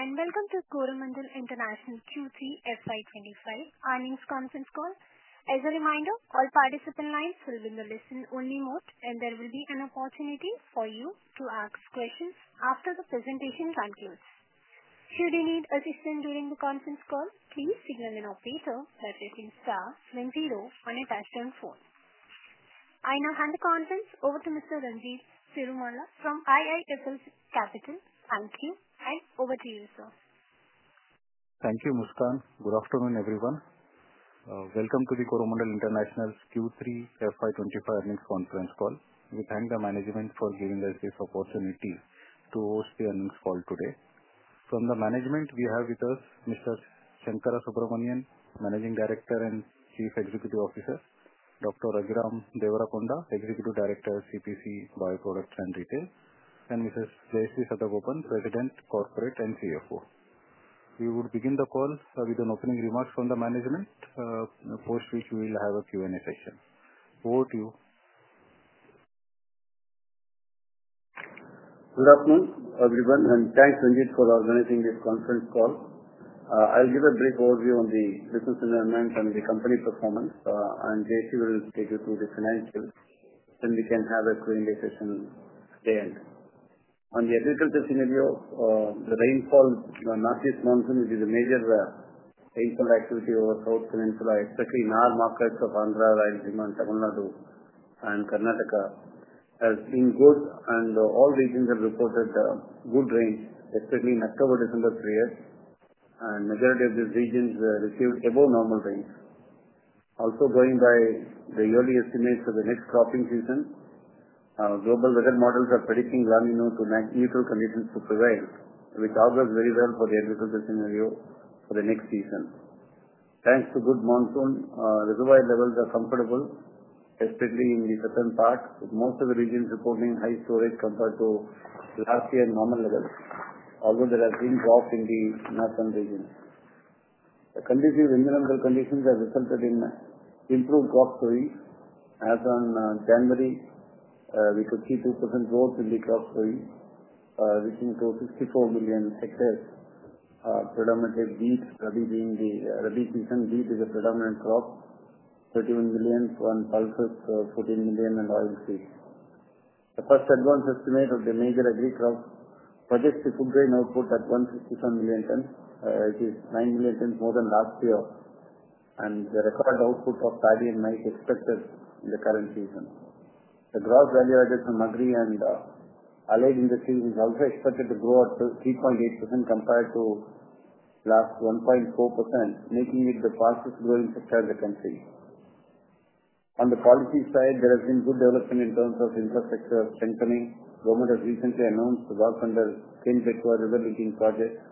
Welcome to Coromandel International Q3 FY25 earnings conference call. As a reminder, all participant lines will be in the listen-only mode, and there will be an opportunity for you to ask questions after the presentation concludes. Should you need assistance during the conference call, please signal an operator by pressing star 70 on your touch-tone phone. I now hand the conference over to Mr. Ranjit Cirumalla from IIFL Capital. Thank you, and over to you, sir. Thank you, Muskan. Good afternoon, everyone. Welcome to the Coromandel International Q3 FY25 earnings conference call. We thank the management for giving us this opportunity to host the earnings call today. From the management, we have with us Mr. Sankarasubramanian, Managing Director and Chief Executive Officer, Dr. Raghuram Devarakonda, Executive Director, CPC, BioProducts and Retail, and Mrs. Jayashree Sadagopan, President, Corporate and CFO. We would begin the call with an opening remark from the management, after which we will have a Q&A session. Over to you. Good afternoon, everyone, and thanks, Ranjit, for organizing this conference call. I'll give a brief overview on the business environment and the company performance, and Jayashree will take you through the financials, then we can have a Q&A session at the end. On the agriculture scenario, the rainfall in the Northeast Monsoon, which is a major rainfall activity over the South Peninsula, especially in our markets of Andhra, Rajasthan, Tamil Nadu, and Karnataka, has been good, and all regions have reported good rain, especially in the October-December period. And the majority of these regions received above-normal rain. Also, going by the yearly estimates for the next cropping season, global weather models are predicting low to neutral conditions to prevail, which augurs very well for the agriculture scenario for the next season. Thanks to good monsoon, reservoir levels are comfortable, especially in the southern part, with most of the regions reporting high storage compared to last year's normal levels, although there are some drops in the northern regions. The environmental conditions have resulted in improved crop sowing. As of January, we could see 2% growth in the crop sowing, reaching 64 million hectares, predominantly wheat, rabi beans; the rabi season wheat is the predominant crop, 31 million for pulses, 14 million for oilseeds. The first advance estimate of the major agri crops projects the food grain output at 167 million tonnes, which is 9 million tonnes more than last year, and the record output of paddy and millet is expected in the current season. The gross value added from agri and allied industries is also expected to grow at 3.8% compared to last 1.4%, making it the fastest-growing sector in the country. On the policy side, there has been good development in terms of infrastructure strengthening. The government has recently announced the work under the Ken-Betwa River Linking Project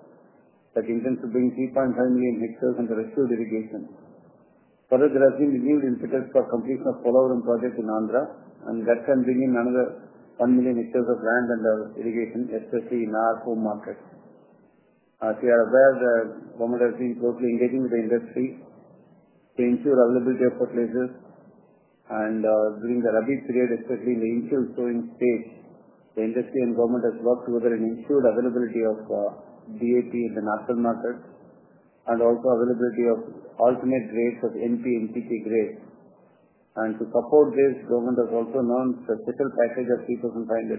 that intends to bring 3.5 million hectares under restored irrigation. Further, there has been renewed impetus for completion of the Polavaram Project in Andhra, and that can bring in another one million hectares of land under irrigation, especially in our home market. As you are aware, the government has been closely engaging with the industry to ensure availability of fertilizers. During the Rabi period, especially in the initial sowing stage, the industry and government have worked together and ensured availability of DAP in the northern markets, and also availability of alternate grades of NP and NPK grades. To support this, the government has also announced a special package of INR 3,500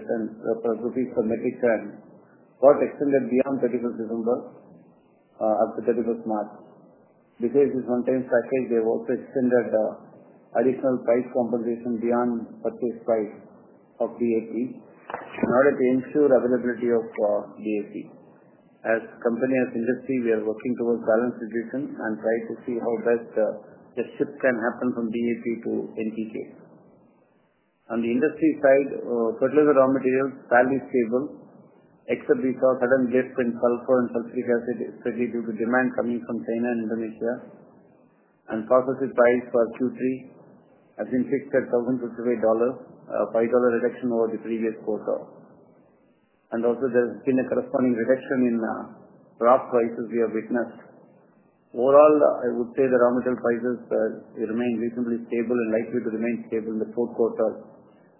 per metric tonne, which extended beyond 31st December up to 31st March. Besides this one-time package, they have also extended additional price compensation beyond purchase price of DAP in order to ensure availability of DAP. As a company in the industry, we are working towards balanced distribution and trying to see how best the shift can happen from DAP to NPK. On the industry side, fertilizer raw materials are fairly stable, except we saw a sudden spike in sulfur and sulfuric acid, especially due to demand coming from China and Indonesia. Processing price for Q3 has been fixed at $1,055, a $5 reduction over the previous quarter. Also, there has been a corresponding reduction in crop prices we have witnessed. Overall, I would say the raw material prices remain reasonably stable and likely to remain stable in the fourth quarter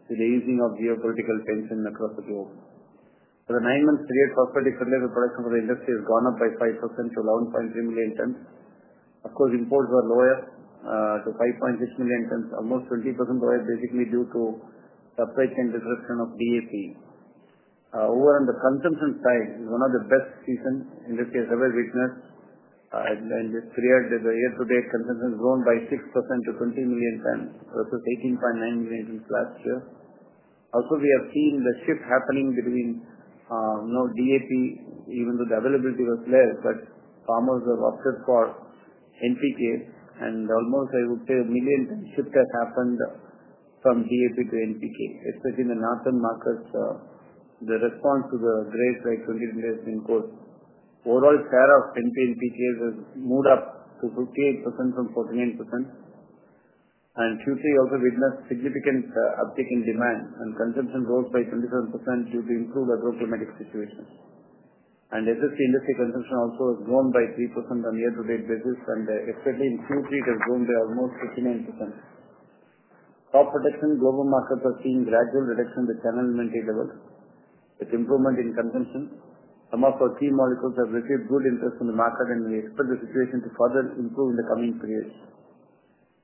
with the easing of geopolitical tensions across the globe. For the nine-month period, phosphatic fertilizer production for the industry has gone up by 5% to 11.3 million tons. Of course, imports were lower to 5.6 million tons, almost 20% lower, basically due to the upside change in the direction of DAP. Overall, on the consumption side, it is one of the best seasons industry has ever witnessed, and this period, the year-to-date consumption has grown by 6% to 20 million tons versus 18.9 million tons last year. Also, we have seen the shift happening between DAP, even though the availability was less, but farmers have opted for NPK, and almost, I would say, a million-tonne shift has happened from DAP to NPK, especially in the northern markets. The response to the grade by 20 days has been good. Overall, share of NPK has moved up to 58% from 49%, and Q3 also witnessed significant uptake in demand, and consumption rose by 27% due to improved agroclimatic situation. SSP industry consumption also has grown by 3% on a year-to-date basis, and especially in Q3, it has grown by almost 59%. Crop protection, global markets are seeing gradual reduction in the channel inventory level with improvement in consumption. Some of our key molecules have received good interest in the market, and we expect the situation to further improve in the coming period.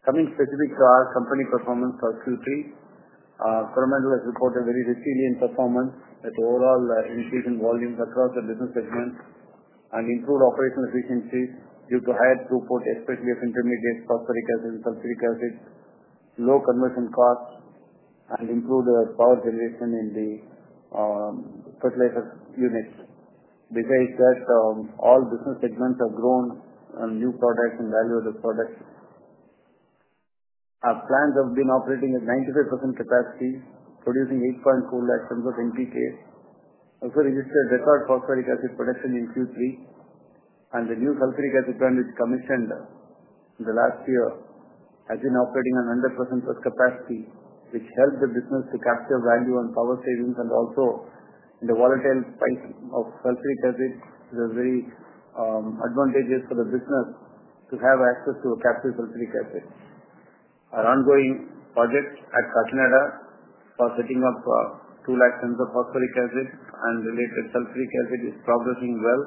Coming specifically to our company performance for Q3, Coromandel has reported very resilient performance with overall increase in volumes across the business segment and improved operational efficiencies due to higher throughput, especially of intermediate phosphoric acid and sulfuric acid, low conversion costs, and improved power generation in the fertilizer units. Besides that, all business segments have grown on new products and value-added products. Our plants have been operating at 95% capacity, producing 8.4 lakh tons of NPK. We also registered record phosphoric acid production in Q3, and the new sulfuric acid plant, which commissioned in the last year, has been operating on 100% capacity, which helped the business to capture value on power savings, and also in the volatile spike of sulfuric acid, it was very advantageous for the business to have access to capture sulfuric acid. Our ongoing project at Kakinada for setting up 2 lakh tons of phosphoric acid and related sulfuric acid is progressing well,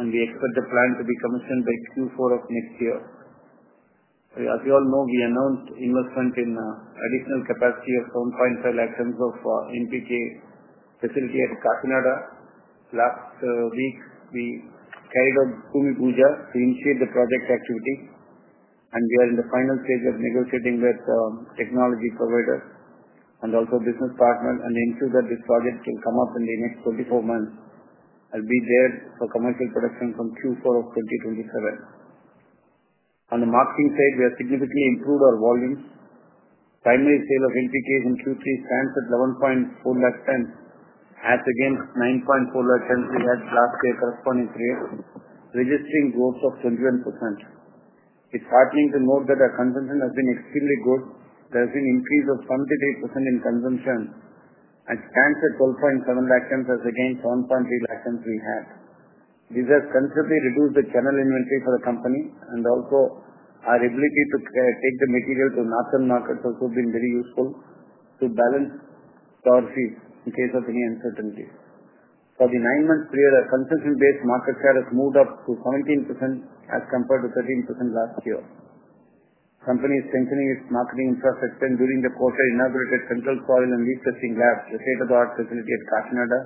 and we expect the plant to be commissioned by Q4 of next year. As you all know, we announced investment in additional capacity of 7.5 lakh tons of NPK facility at Kakinada. Last week, we carried out Bhoomi Puja to initiate the project activity, and we are in the final stage of negotiating with technology providers and also business partners and ensure that this project will come up in the next 24 months and be there for commercial production from Q4 of 2027. On the marketing side, we have significantly improved our volumes. Primary sale of NPK in Q3 stands at 11.4 lakh tons, has, again, 9.4 lakh tons we had last year, corresponding trade, registering growth of 21%. It's heartening to note that our consumption has been extremely good. There has been an increase of 78% in consumption, and it stands at 12.7 lakh tons, as against 7.3 lakh tons we had. This has considerably reduced the channel inventory for the company, and also our ability to take the material to northern markets has also been very useful to balance inventories in case of any uncertainty. For the nine-month period, our consumption-based market share has moved up to 17% as compared to 13% last year. The company is strengthening its marketing infrastructure and, during the quarter, inaugurated central soil and leaf testing labs, a state-of-the-art facility at Kakinada.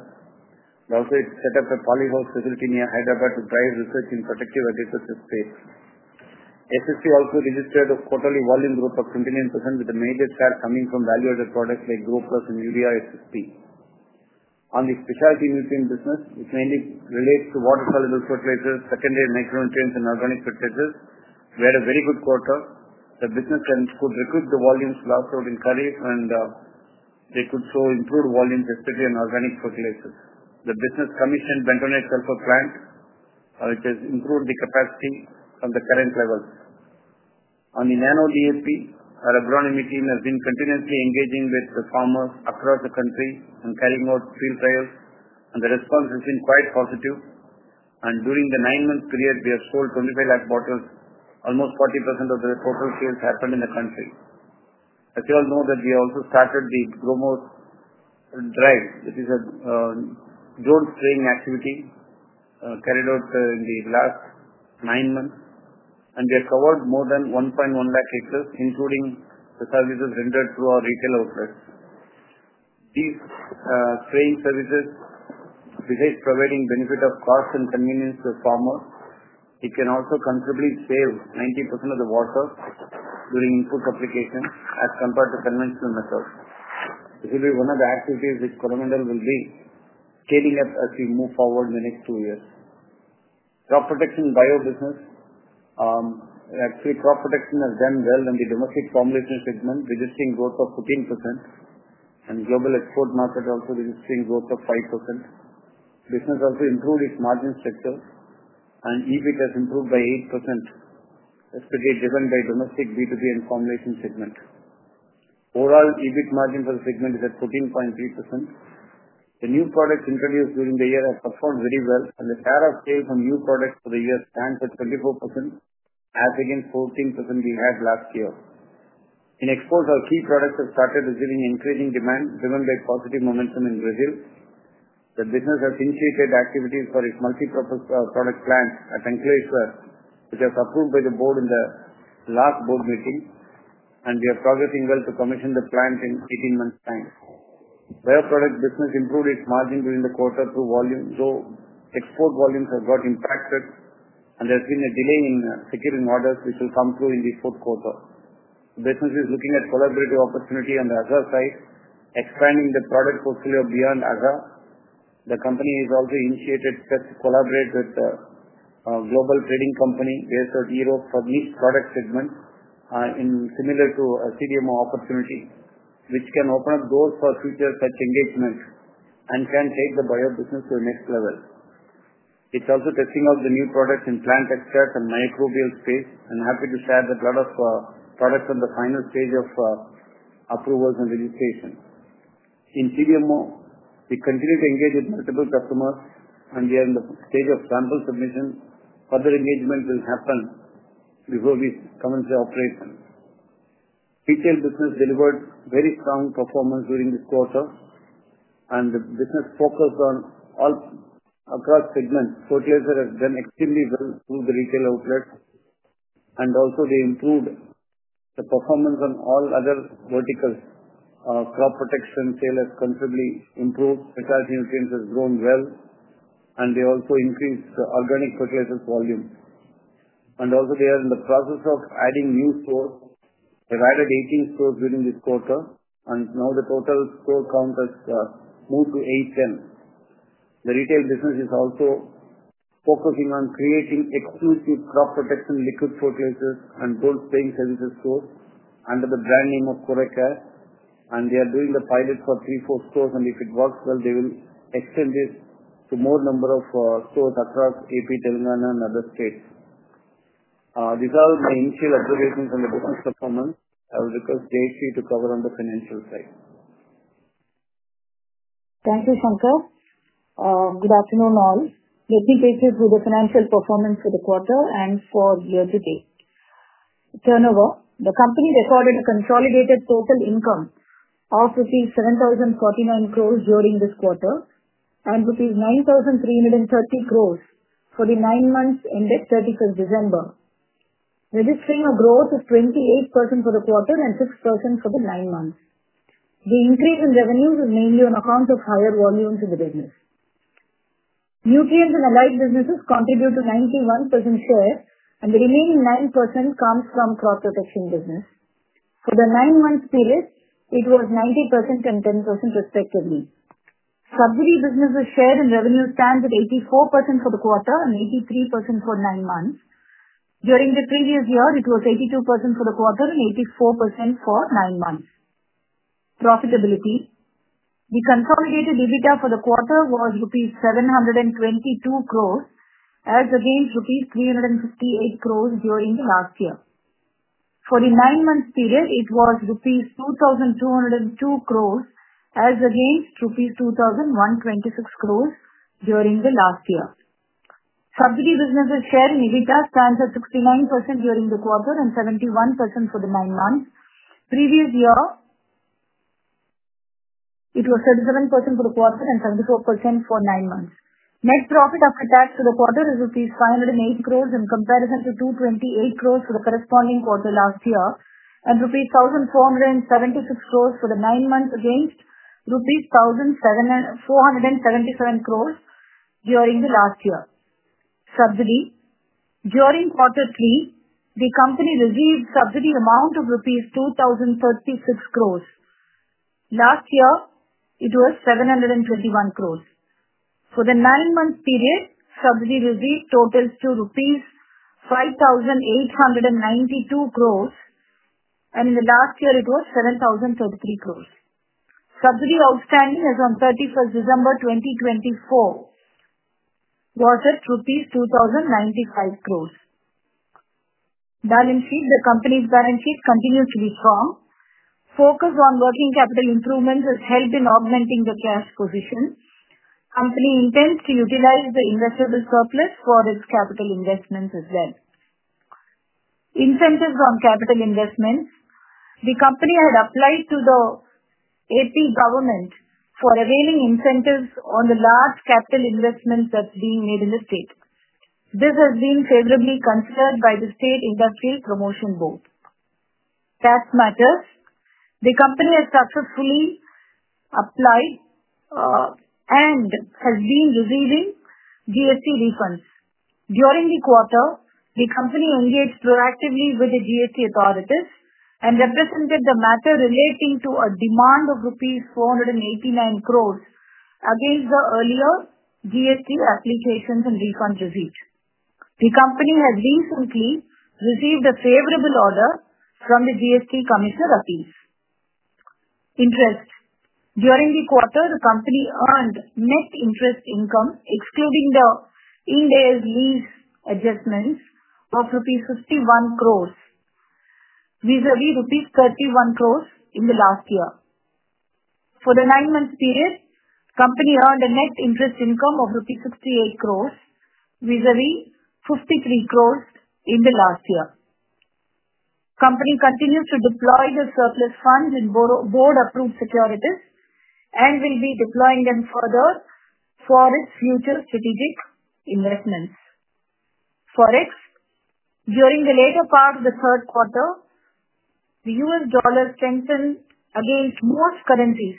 They also set up a polyhouse facility near Hyderabad to drive research in protected agriculture space. SSP also registered a quarterly volume growth of 29% with the major share coming from value-added products like GroPlus and our SSP. On the specialty nutrient business, which mainly relates to water-soluble fertilizers, secondary micronutrients, and organic fertilizers, we had a very good quarter. The business could recoup the volumes lost out in Kharif, and they could show improved volumes, especially in organic fertilizers. The business commissioned bentonite sulfur plant, which has improved the capacity from the current levels. On the Nano DAP, our agronomy team has been continuously engaging with the farmers across the country and carrying out field trials, and the response has been quite positive, and during the nine-month period, we have sold 25 lakh bottles, almost 40% of the total sales happened in the country. As you all know, we have also started the Gromor Drive, which is a drone spraying activity carried out in the last nine months, and we have covered more than 1.1 lakh hectares, including the services rendered through our retail outlets. These spraying services, besides providing benefit of cost and convenience to farmers, it can also comfortably save 90% of the water during input application as compared to conventional methods. This will be one of the activities which Coromandel will be scaling up as we move forward in the next two years. Crop protection bio-business, actually, crop protection has done well in the domestic formulation segment, registering growth of 14%, and global export market also registering growth of 5%. The business also improved its margin structure, and EBIT has improved by 8%, especially driven by domestic B2B and formulation segment. Overall, EBIT margin for the segment is at 14.3%. The new products introduced during the year have performed very well, and the share of sales on new products for the year stands at 24%, has, again, 14% we had last year. In exports, our key products have started receiving increasing demand, driven by positive momentum in Brazil. The business has initiated activities for its multi-purpose product plant at Ankleshwar, which was approved by the board in the last board meeting, and we are progressing well to commission the plant in 18 months' time. Bioproduct business improved its margin during the quarter through volume, though export volumes have got impacted, and there has been a delay in securing orders, which will come through in the fourth quarter. The business is looking at collaborative opportunity on the agri side, expanding the product portfolio beyond agri. The company has also initiated steps to collaborate with a global trading company based out of Europe for niche product segments, similar to a CDMO opportunity, which can open up doors for future such engagement and can take the bio-business to the next level. It's also testing out the new products in plant extract and microbial space, and happy to share that a lot of products are in the final stage of approvals and registration. In CDMO, we continue to engage with multiple customers, and we are in the stage of sample submission. Further engagement will happen before we come into operation. Retail business delivered very strong performance during this quarter, and the business focused on all across segments. Fertilizer has done extremely well through the retail outlet, and also they improved the performance on all other verticals. Crop protection sales have considerably improved. Specialty nutrients have grown well, and they also increased organic fertilizer volumes. And also, they are in the process of adding new stores. They've added 18 stores during this quarter, and now the total store count has moved to 800. The retail business is also focusing on creating exclusive crop protection liquid fertilizers and drone spraying services stores under the brand name of Gromor, and they are doing the pilot for three or four stores, and if it works well, they will extend this to more number of stores across AP, Telangana, and other states. These are my initial observations on the business performance. I will request Jayashree to cover on the financial side. Thank you, Sankar. Good afternoon, all. Let me take you through the financial performance for the quarter and for year-to-date. Turnover, the company recorded a consolidated total income of rupees 7,049 crores during this quarter and rupees 9,330 crores for the nine months ended 31st December, registering a growth of 28% for the quarter and 6% for the nine months. The increase in revenues is mainly on account of higher volumes in the business. Nutrients and allied businesses contribute to 91% share, and the remaining 9% comes from crop protection business. For the nine-month period, it was 90% and 10%, respectively. Subsidy businesses shared in revenues stand at 84% for the quarter and 83% for nine months. During the previous year, it was 82% for the quarter and 84% for nine months. Profitability, the consolidated EBITDA for the quarter was rupees 722 crores, as against rupees 358 crores during the last year. For the nine-month period, it was rupees 2,202 crores, as against rupees 2,126 crores during the last year. Subsidy businesses shared in EBITDA stands at 69% during the quarter and 71% for the nine months. Previous year, it was 37% for the quarter and 74% for nine months. Net profit after tax for the quarter is rupees 508 crores in comparison to 228 crores for the corresponding quarter last year and rupees 1,476 crores for the nine months against rupees 1,477 crores during the last year. Subsidy. During quarter three, the company received subsidy amount of rupees 2,036 crores. Last year, it was 721 crores. For the nine-month period, subsidy received totals to rupees 5,892 crores, and in the last year, it was 7,033 crores. Subsidy outstanding as of 31st December 2024 was at INR 2,095 crores. Balance sheet. The company's balance sheet continues to be strong. Focus on working capital improvements has helped in augmenting the cash position. Company intends to utilize the investable surplus for its capital investments as well. Incentives on capital investments. The company had applied to the AP government for availing incentives on the large capital investments that's being made in the state. This has been favorably considered by the State Industrial Promotion Board. Tax matters, the company has successfully applied and has been receiving GST refunds. During the quarter, the company engaged proactively with the GST authorities and represented the matter relating to a demand of rupees 489 crores against the earlier GST applications and refund receipts. The company has recently received a favorable order from the GST Commissioner of East. Interest, during the quarter, the company earned net interest income, excluding the Ind AS adjustments, of rupees 51 crores vis-à-vis rupees 31 crores in the last year. For the nine-month period, company earned a net interest income of rupees 68 crores vis-à-vis 53 crores in the last year. Company continues to deploy the surplus funds in board-approved securities and will be deploying them further for its future strategic investments. Forex, during the later part of the third quarter, the US dollar strengthened against most currencies,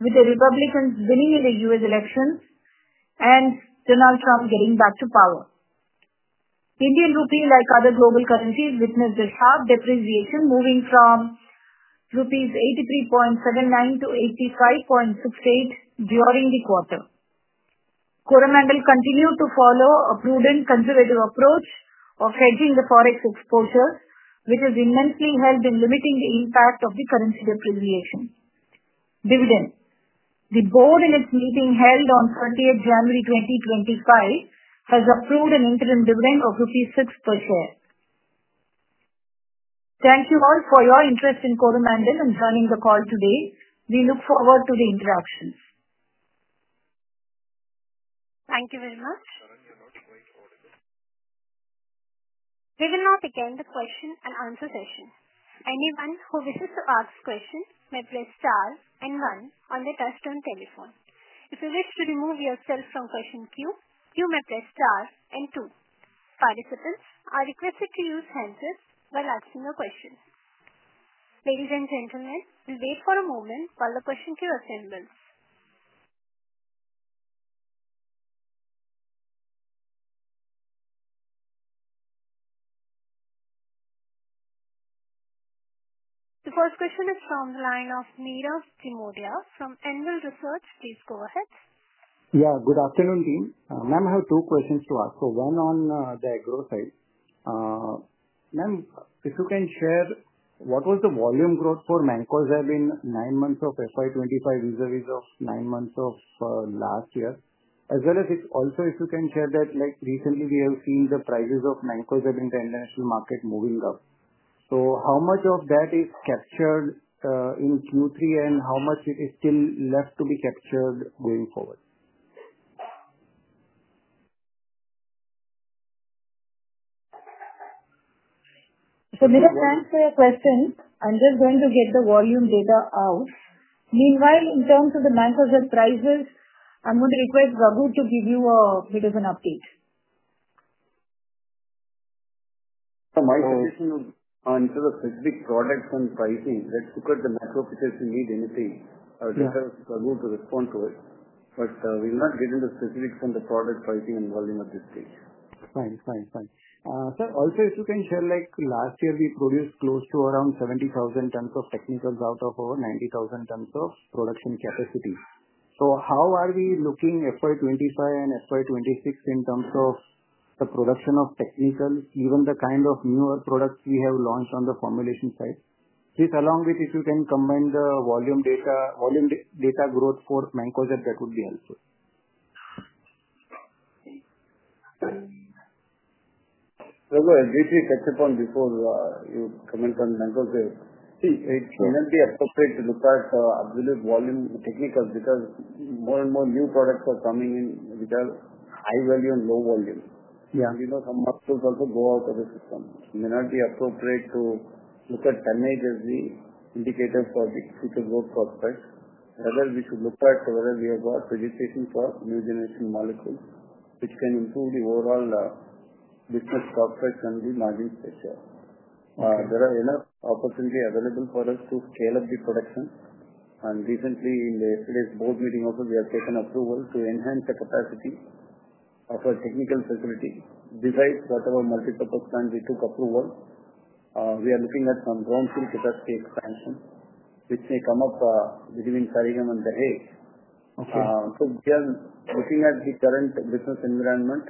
with the Republicans winning in the US elections and Donald Trump getting back to power. Indian rupee, like other global currencies, witnessed a sharp depreciation, moving from rupees 83.79 to 85.68 during the quarter. Coromandel continued to follow a prudent conservative approach of hedging the forex exposure, which has immensely helped in limiting the impact of the currency depreciation. Dividend, the board in its meeting held on 30th January 2025 has approved an interim dividend of 6 rupees per share. Thank you all for your interest in Coromandel and joining the call today. We look forward to the interactions. Thank you very much. We will now begin the question and answer session. Anyone who wishes to ask questions may press star and one on the touch-tone telephone. If you wish to remove yourself from question queue, you may press star and two. Participants are requested to use handset while asking a question. Ladies and gentlemen, we'll wait for a moment while the question queue assembles. The first question is from the line of Nilesh Shah from Envision Capital. Please go ahead. Yeah, good afternoon, team. Ma'am, I have two questions to ask. So one on the agro side. Ma'am, if you can share what was the volume growth for mancozeb in nine months of FY25 vis-à-vis of nine months of last year, as well as if you can share that recently we have seen the prices of mancozeb in the international market moving up. So how much of that is captured in Q3, and how much is still left to be captured going forward? So Nilesh, thanks for your question. I'm just going to get the volume data out. Meanwhile, in terms of the Mancozeb prices, I'm going to request Raghur to give you a bit of an update. My question is in terms of specific products and pricing, let's look at the macro picture if we need anything. I'll let Raghur to respond to it, but we'll not get into specifics on the product pricing and volume at this stage. Fine. Fine. Fine. Sir, also if you can share, last year we produced close to around 70,000 tons of technicals out of our 90,000 tons of production capacity. So how are we looking FY25 and FY26 in terms of the production of technicals, even the kind of newer products we have launched on the formulation side? Please along with if you can combine the volume data growth for Mancozeb, that would be helpful. Look, as Jayashree touched upon, before you comment on mancozeb, it may not be appropriate to look at absolute volume technicals because more and more new products are coming in which are high volume and low volume, and some molecules also go out of the system. It may not be appropriate to look at tonnage as the indicator for the future growth prospects. Rather, we should look at whether we have got pipeline for new generation molecules which can improve the overall business prospects and the margin structure. There are enough opportunities available for us to scale up the production, and recently, in the last board meeting also, we have taken approval to enhance the capacity of our technical facility. Besides whatever multi-purpose plant, we took approval. We are looking at some greenfield capacity expansion, which may come up between Sarigam and Dahej. We are looking at the current business environment,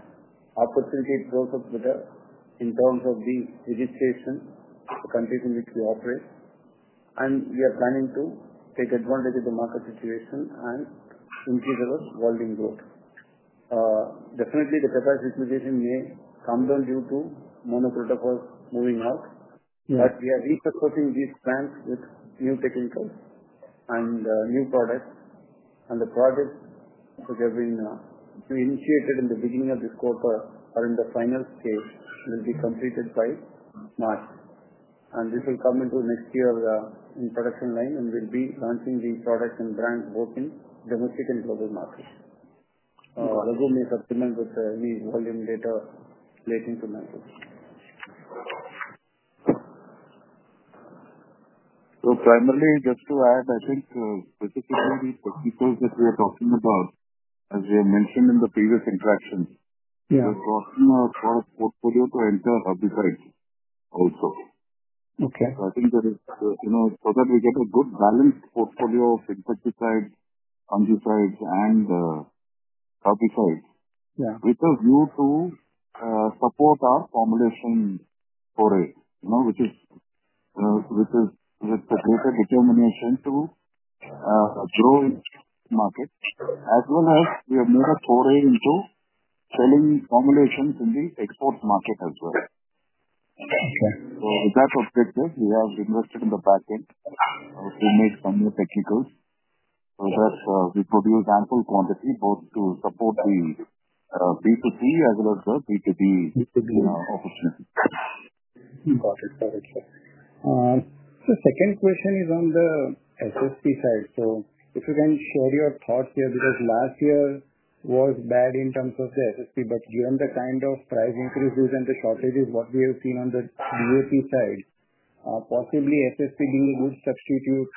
opportunity it grows up with us in terms of the registration for countries in which we operate. We are planning to take advantage of the market situation and increase our volume growth. Definitely, the capacity utilization may come down due to monocrotophos moving out, but we are resurfacing these plants with new technicals and new products. The projects which have been initiated in the beginning of this quarter or in the final stage will be completed by March. This will come into next year in production line and will be launching the products and brands both in domestic and global markets. Raghur may supplement with any volume data relating to Mancozeb. So, primarily, just to add, I think specifically the technicals that we are talking about, as we have mentioned in the previous interactions, we're crossing our portfolio to enter herbicides also. So, I think there is so that we get a good balanced portfolio of insecticides, fungicides, and herbicides, which are viewed to support our formulation foray, which is with the greater determination to grow into the market, as well as we have moved our foray into selling formulations in the export market as well. So, with that objective, we have invested in the backend to make some new technicals so that we produce ample quantity both to support the B2C as well as the B2B opportunity. Got it. Got it. The second question is on the SSP side. So if you can share your thoughts here because last year was bad in terms of the SSP, but given the kind of price increases and the shortages that we have seen on the DAP side, possibly SSP being a good substitute,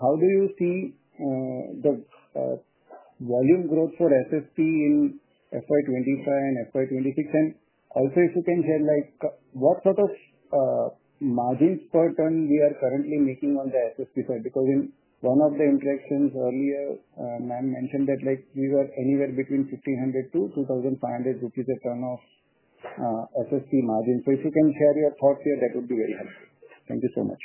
how do you see the volume growth for SSP in FY25 and FY26? And also if you can share what sort of margins per ton we are currently making on the SSP side? Because in one of the interactions earlier, Ma'am mentioned that we were anywhere between 1,500 to 2,500 rupees a ton of SSP margin. So if you can share your thoughts here, that would be very helpful. Thank you so much.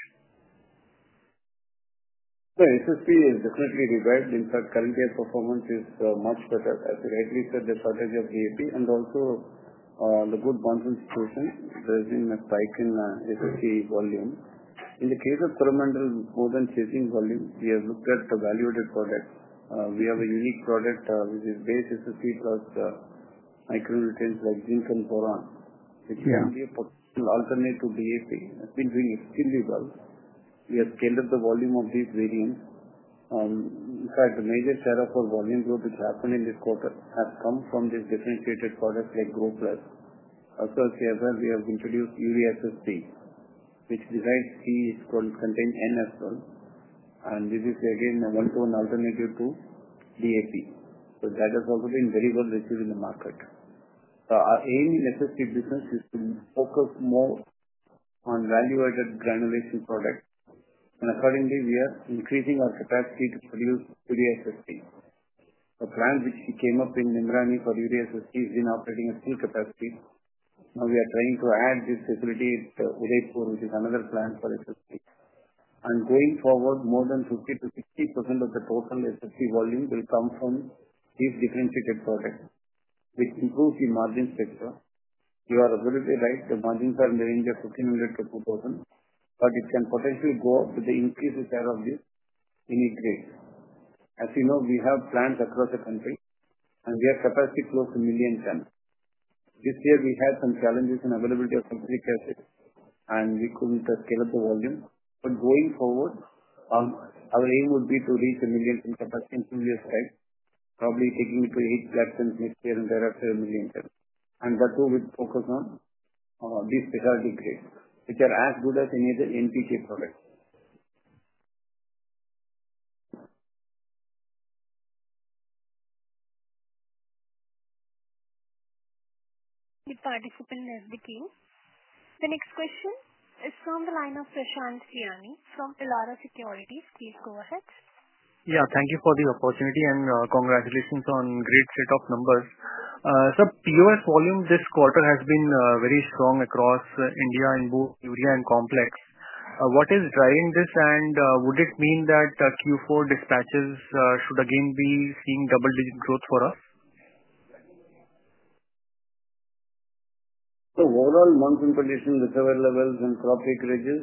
SSP is definitely revert. In fact, current year performance is much better. As I rightly said, the shortage of DAP and also the good monsoon situation, there has been a spike in SSP volume. In the case of Coromandel, more than chasing volume, we have looked at the value-added products. We have a unique product which is base SSP plus micronutrients like zinc and boron, which can be a potential alternative to DAP. It's been doing extremely well. We have scaled up the volume of these variants. In fact, the major share of our volume growth which happened in this quarter has come from these differentiated products like GroPlus. Also here where we have introduced UVSSP, which besides C, it's called contained N as well. And this is again a one-to-one alternative to DAP. So that has also been very well received in the market. Our aim in SSP business is to focus more on value-added granulation products. And accordingly, we are increasing our capacity to produce UVSSP. A plant which came up in Nimrani for UVSSP has been operating at full capacity. Now we are trying to add this facility at Udaipur, which is another plant for SSP, and going forward, more than 50%-60% of the total SSP volume will come from these differentiated products, which improves the margin structure. You are absolutely right. The margins are in the range of 1,500-2,000, but it can potentially go up with the increase in share of this upgrade. As you know, we have plants across the country, and we have capacity close to a million tons. This year, we had some challenges in availability of sulphuric acid, and we couldn't scale up the volume, but going forward, our aim would be to reach a million ton capacity in two years' time, probably taking it to 800,000 tons next year and thereafter a million ton. And that too with focus on these specialty grades, which are as good as any other NPK product. Thank you, participant Nilesh. The next question is from the line of Prashant Biyani from Elara Capital. Please go ahead. Yeah, thank you for the opportunity and congratulations on great set of numbers. Sir, POS volume this quarter has been very strong across India in both Urea and Complex. What is driving this, and would it mean that Q4 dispatches should again be seeing double-digit growth for us? So overall monsoon conditions, reservoir levels, and crop acreages,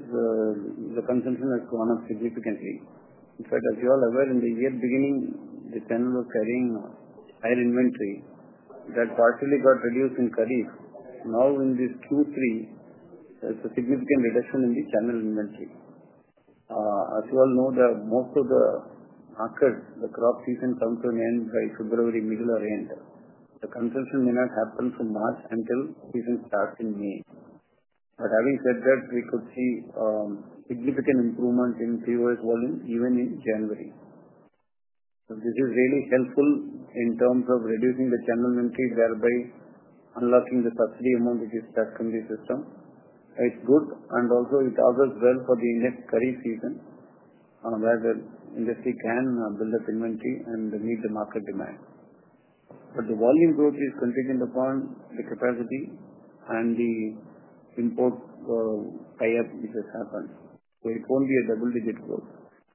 the consumption has gone up significantly. In fact, as you are aware, in the year beginning, the channel was carrying higher inventory that partially got reduced in Kharif. Now in this Q3, there's a significant reduction in the channel inventory. As you all know, most of the market, the crop season comes to an end by February, middle, or end. The consumption may not happen from March until the season starts in May. But having said that, we could see significant improvement in POS volume even in January. So this is really helpful in terms of reducing the channel inventory, thereby unlocking the subsidy amount which is stuck in the system. It's good, and also it portends well for the ensuing Kharif season where the industry can build up inventory and meet the market demand. But the volume growth is contingent upon the capacity and the import tie-up which has happened. So it won't be a double-digit growth.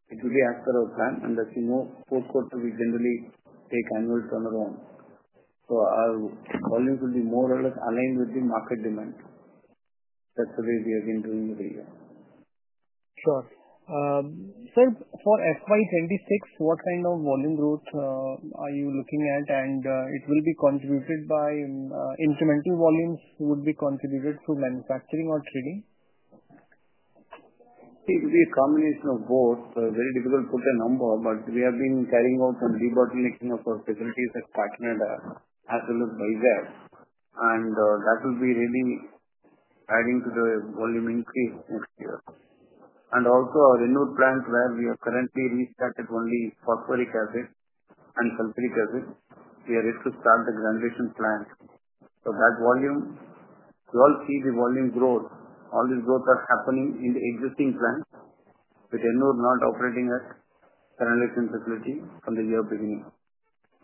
It will be as per our plan, and as you know, fourth quarter, we generally take annual turnaround. So our volumes will be more or less aligned with the market demand. That's the way we have been doing it here. Sure. Sir, for FY26, what kind of volume growth are you looking at? And it will be contributed by incremental volumes would be contributed through manufacturing or trading? It will be a combination of both. Very difficult to put a number, but we have been carrying out some debottlenecking of our facilities at Kakinada as well as Vizag. And that will be really adding to the volume increase next year. And also our Ennore plant where we have currently restarted only phosphoric acid and sulfuric acid, we are yet to start the granulation plant. So that volume, you all see the volume growth. All this growth is happening in the existing plant with Ennore not operating at granulation facility from the year beginning.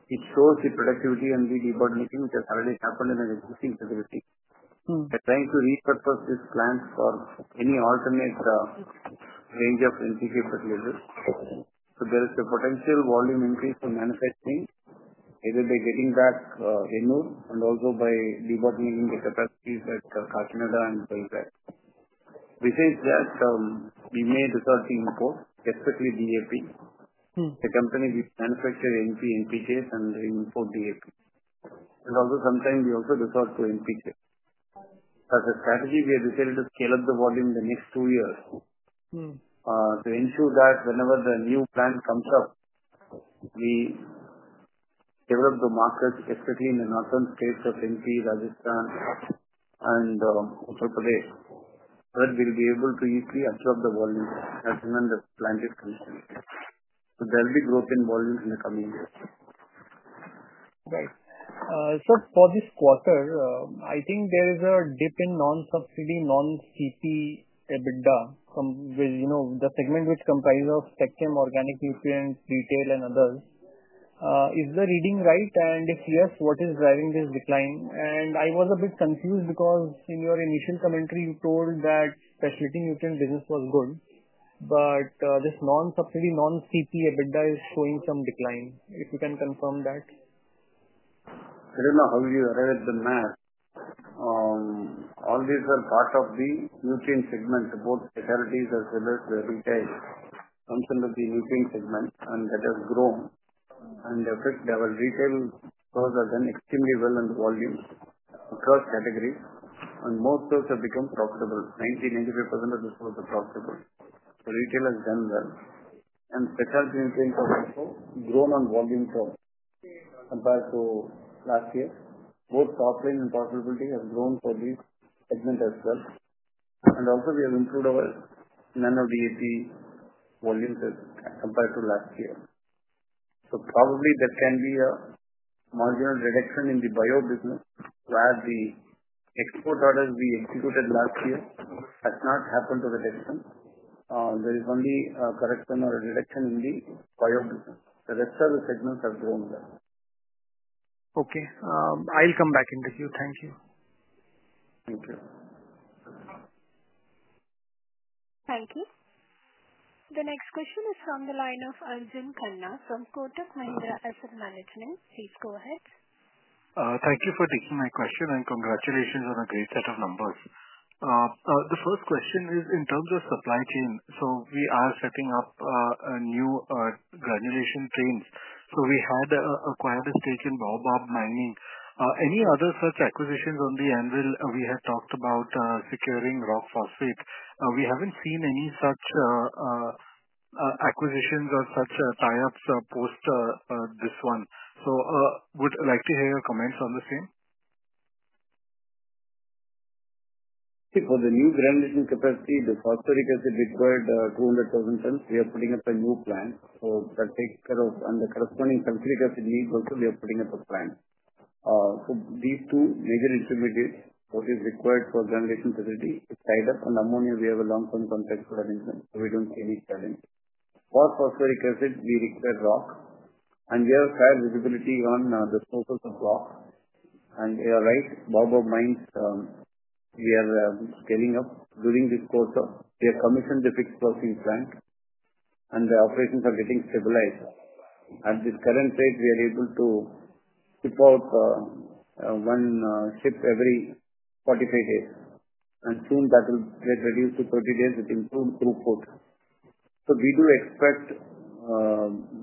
It shows the productivity and the debottlenecking which has already happened in the existing facility. We are trying to repurpose this plant for any alternate range of NPK facilities. So there is a potential volume increase in manufacturing, either by getting back Ennore and also by debottlenecking the capacities at Kakinada and Visakhapatnam. Besides that, we may resort to import, especially DAP. The company we manufacture NPKs and we import DAP. And also sometimes we also resort to NPK. As a strategy, we are determined to scale up the volume in the next two years to ensure that whenever the new plant comes up, we develop the markets, especially in the northern states of Punjab, Haryana, Rajasthan, and Uttar Pradesh, that we'll be able to easily absorb the volume as soon as the plant is commissioned. So there will be growth in volume in the coming years. Right. Sir, for this quarter, I think there is a dip in non-subsidy, non-CP EBITDA from the segment which comprises of Spectrum Organic Nutrients, retail, and others. Is the reading right? And if yes, what is driving this decline? And I was a bit confused because in your initial commentary, you told that specialty nutrient business was good, but this non-subsidy, non-CP EBITDA is showing some decline. If you can confirm that. I don't know how you arrive at the math. All these are part of the nutrient segment, both specialties as well as retail. Consumption of the nutrient segment, and that has grown. And in fact, our retail growth has done extremely well in volumes across categories, and most of those have become profitable. 90%-95% of those growth are profitable. The retail has done well. And specialty nutrients have also grown on volume compared to last year. Both solubles and phosphoric nutrients have grown for this segment as well. And also we have improved our Nano DAP volumes compared to last year. So probably there can be a marginal reduction in the bio business where the export orders we executed last year has not happened. A reduction. There is only a correction or a reduction in the bio business. The rest of the segments have grown well. Okay. I'll come back in the queue. Thank you. Thank you. Thank you. The next question is from the line of Arjun Khanna from Kotak Mahindra Asset Management. Please go ahead. Thank you for taking my question and congratulations on a great set of numbers. The first question is in terms of supply chain. So we are setting up new granulation trains. So we had acquired a stake in Baobab Mining. Any other such acquisitions on the anvil? We had talked about securing rock phosphate. We haven't seen any such acquisitions or such tie-ups post this one. So would like to hear your comments on the same. For the new granulation capacity, the phosphoric acid required 200,000. We are putting up a new plant. So that takes care of, and the corresponding sulfuric acid needs also we are putting up a plant. So these two major intermediates, what is required for granulation facility is tie-up, and ammonia we have a long-term contract in that instance, so we don't see any challenge. For phosphoric acid, we require rock. And we have a fair visibility on the supply of rock. And you are right, Baobab Mines, we are scaling up during this quarter. We have commissioned the fixed flotation plant, and the operations are getting stabilized. At this current rate, we are able to ship out one ship every 45 days, and soon that will get reduced to 30 days with improved throughput, so we do expect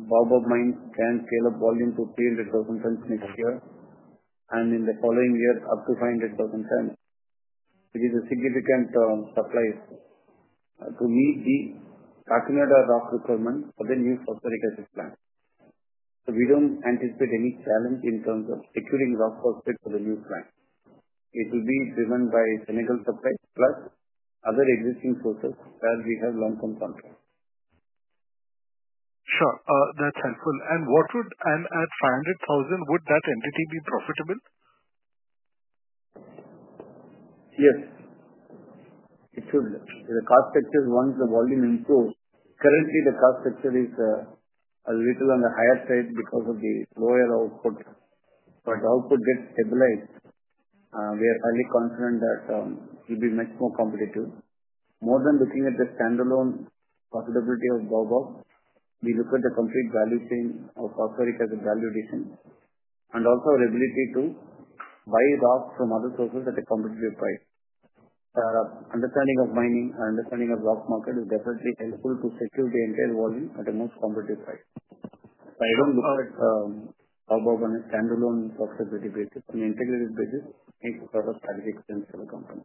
Baobab Mines can scale up volume to 300,000 next year and in the following year up to 500,000, which is a significant supply to meet the Kakinada rock requirement for the new phosphoric acid plant, so we don't anticipate any challenge in terms of securing rock phosphate for the new plant. It will be driven by Senegal supply plus other existing sources where we have long-term contracts. Sure. That's helpful, and at 500,000, would that entity be profitable? Yes. It should. The cost structure once the volume improves. Currently, the cost structure is a little on the higher side because of the lower output, but output gets stabilized. We are highly confident that it will be much more competitive. More than looking at the standalone profitability of Baobab, we look at the complete value chain of phosphoric acid as a value addition and also our ability to buy rock from other sources at a competitive price. Our understanding of mining, our understanding of rock market is definitely helpful to secure the entire volume at a most competitive price. But I don't look at Baobab on a standalone phosphoric acid basis. On an integrated basis, it's a strategic choice for the company.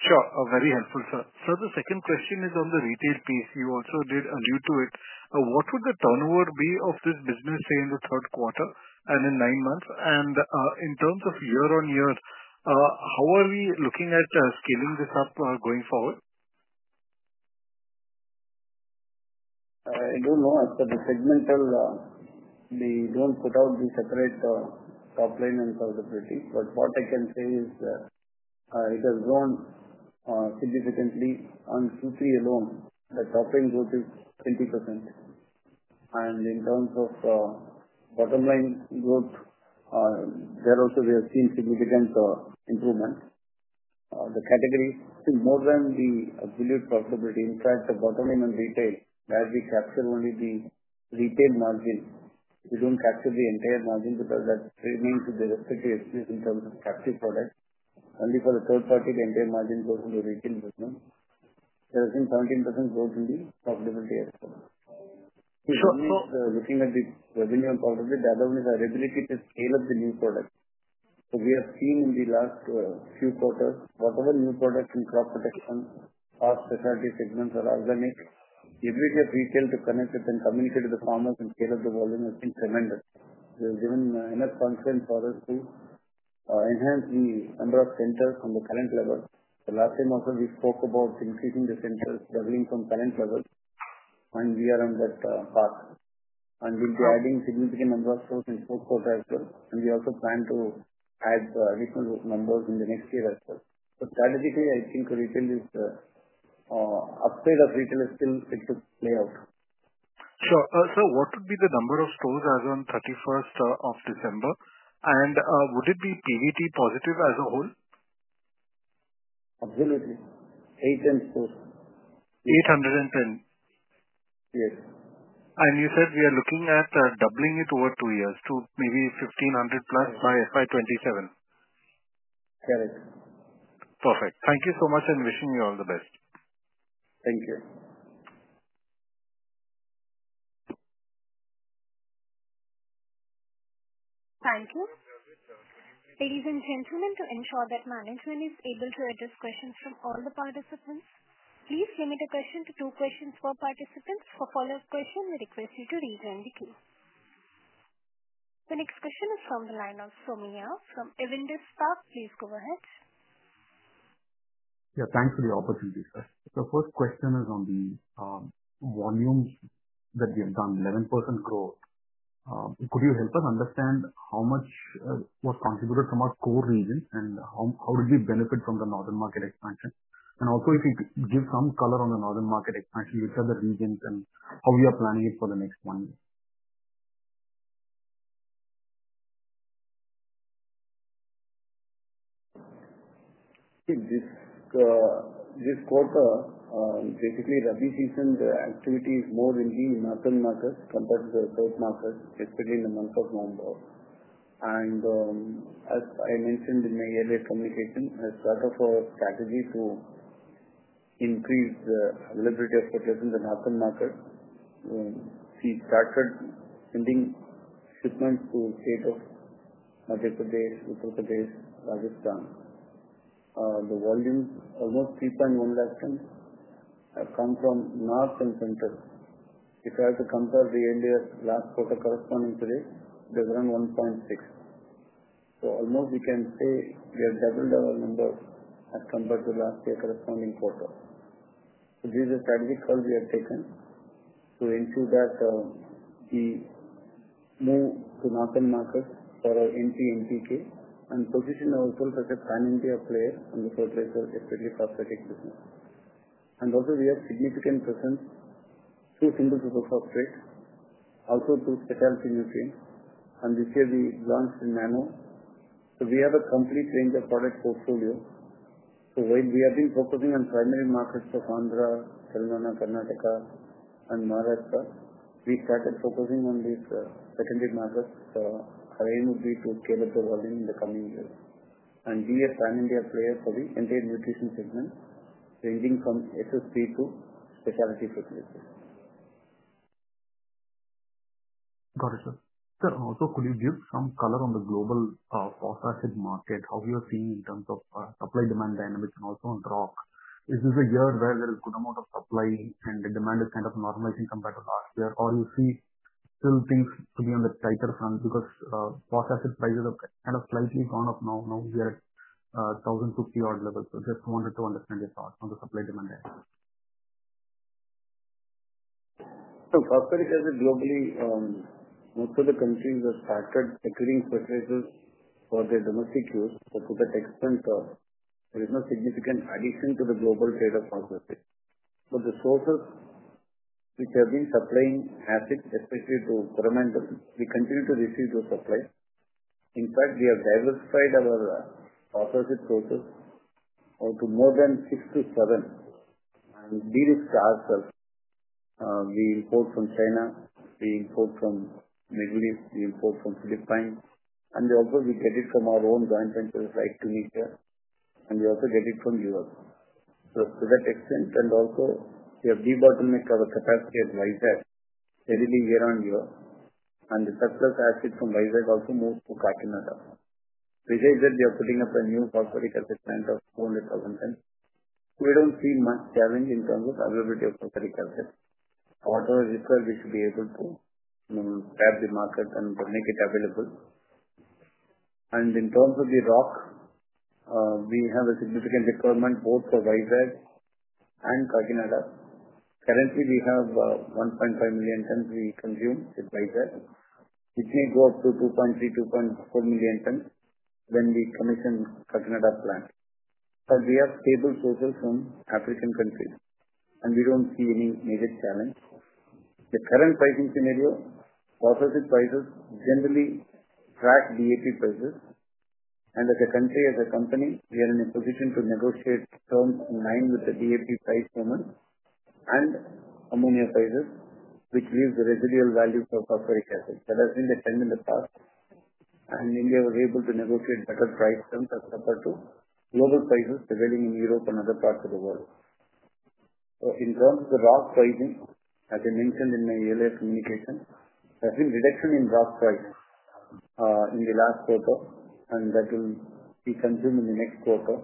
Sure. Very helpful, sir. Sir, the second question is on the retail piece. You also did allude to it. What would the turnover be of this business, say, in the third quarter and in nine months? And in terms of year on year, how are we looking at scaling this up going forward? I don't know. As for the segmental, we don't put out the separate top line and profitability. But what I can say is that it has grown significantly on Q3 alone. The top line growth is 20%. And in terms of bottom line growth, there also we have seen significant improvement. The category, more than the absolute profitability, in fact, the bottom line on retail, where we capture only the retail margin, we don't capture the entire margin because that remains with the rest of the CP in terms of captive product. Only for the third-party, the entire margin goes to the retail business. There has been 17% growth in the profitability as well. Looking at the revenue and profitability, that alone is a replicated scale of the new product. So we have seen in the last few quarters, whatever new product in crop protection or specialty segments or organic, the ability of retail to connect with and communicate with the farmers and scale up the volume has been tremendous. We have given enough confidence for us to enhance the number of centers on the current level. The last time also we spoke about increasing the centers, doubling from current level, and we are on that path. And we'll be adding significant number of stores in fourth quarter as well. And we also plan to add additional numbers in the next year as well. But strategically, I think the upside of retail is still left to play out. Sure. Sir, what would be the number of stores as of 31st of December? And would it be EBIT positive as a whole? Absolutely. 810 stores. 810. Yes. And you said we are looking at doubling it over two years to maybe 1,500 plus by FY27. Correct. Perfect. Thank you so much and wishing you all the best. Thank you. Thank you. Ladies and gentlemen, to ensure that management is able to address questions from all the participants, please limit the question to two questions per participant. For follow-up question, we request you to rejoin the queue. The next question is from the line of Somaiah from Avendus Spark. Please go ahead. Yeah. Thanks for the opportunity. Sir, the first question is on the volume that we have done, 11% growth. Could you help us understand how much was contributed from our core regions and how did we benefit from the northern market expansion? And also, if you could give some color on the northern market expansion, which are the regions and how we are planning it for the next one year? This quarter, basically Rabi season, the activity is more in the northern markets compared to the south markets, especially in the month of November. And as I mentioned in my earlier communication, as part of our strategy to increase the availability of Gromor in the northern market, we started sending shipments to the state of Madhya Pradesh, Uttar Pradesh, Rajasthan. The volumes, almost 3.1 lakh tons, have come from north and central. If I have to compare the earlier last quarter corresponding to this, they've run 1.6. So almost we can say we have doubled our numbers as compared to last year's corresponding quarter. These are strategic calls we have taken to ensure that we move to northern markets for our entry NPK and position ourselves as a pan-India player on the fertilizer, especially phosphoric acid business, and also, we have significant presence through Single Super Phosphate, also through specialty nutrients, and this year we launched the nano, so we have a complete range of product portfolio, so while we have been focusing on primary markets of Andhra, Telangana, Karnataka, and Maharashtra, we started focusing on these secondary markets. Our aim would be to scale up the volume in the coming years, and we are a pan-India player for the entire nutrition segment, ranging from SSP to specialty fertilizers. Got it, sir. Sir, also, could you give some color on the global phosphoric acid market, how you are seeing in terms of supply-demand dynamics and also on rock? Is this a year where there is a good amount of supply and the demand is kind of normalizing compared to last year, or do you see still things to be on the tighter front because phosphoric acid prices have kind of slightly gone up now, now we are at 1,000 to INR 300 level? So just wanted to understand your thoughts on the supply-demand dynamics. So phosphoric acid globally, most of the countries have started securing fertilizers for their domestic use, but to that extent, there is no significant addition to the global trade of phosphoric acid. But the sources which have been supplying acid, especially to Coromandel, we continue to receive those supplies. In fact, we have diversified our phosphoric acid sources to more than six to seven. And these are sulfur that we import from China, we import from Middle East, we import from Philippines, and also we get it from our own joint ventures like Tunisia, and we also get it from Europe. So to that extent, and also we have de-bottlenecked our capacity at Vizag steadily year on year. And the surplus acid from Vizag also moves to Kakinada. Besides that, we are putting up a new phosphoric acid plant of 200,000. We don't see much challenge in terms of availability of phosphoric acid. However, we should be able to grab the market and make it available. And in terms of the rock, we have a significant requirement both for Vizag and Kakinada. Currently, we have 1.5 million tons we consume with Vizag. It may go up to 2.3-2.4 million tons when we commission Kakinada plant. But we have stable sources from African countries, and we don't see any major challenge. The current pricing scenario, phosphoric acid prices generally track DAP prices. And as a country, as a company, we are in a position to negotiate terms in line with the DAP price movements and ammonia prices, which leaves the residual value for phosphoric acid. That has been the trend in the past. And India was able to negotiate better price terms as compared to global prices prevailing in Europe and other parts of the world. So in terms of the rock pricing, as I mentioned in my earlier communication, there has been a reduction in rock price in the last quarter, and that will be consumed in the next quarter.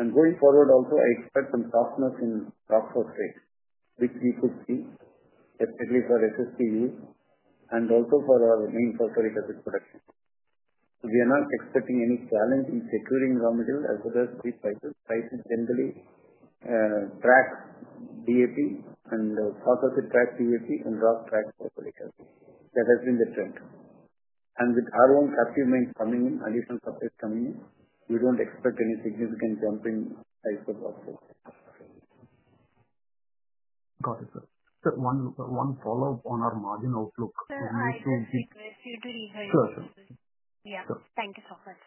And going forward, also, I expect some softness in rock phosphate, which we could see, especially for SSP use and also for our main phosphoric acid production. So we are not expecting any challenge in securing raw material as well as the prices. Prices generally track DAP, and phosphoric acid tracks DAP, and rock tracks phosphoric acid. That has been the trend. And with our own captive mines coming in, additional supplies coming in, we don't expect any significant jump in price of rock phosphate. Got it, sir. Sir, one follow-up on our margin outlook. If we need to give - Sure, sure. Yeah. Thank you so much.